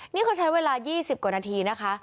นี่เขาใช้เวลา๒๐กว่านาทีนะคะ